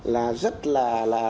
là rất là